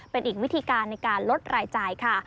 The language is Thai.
เป็นอีกวิธีการในการลดรายจ่ายค่ะ